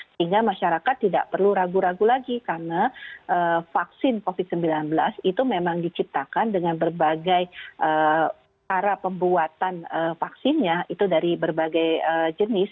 sehingga masyarakat tidak perlu ragu ragu lagi karena vaksin covid sembilan belas itu memang diciptakan dengan berbagai cara pembuatan vaksinnya itu dari berbagai jenis